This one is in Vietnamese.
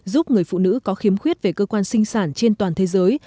giúp người phụ nữ có khiếm khuyết về cơ quan sinh sản trên toàn thế giới